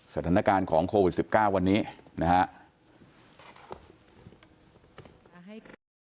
สถานการณ์ของโควิด๑๙วันนี้นะครับ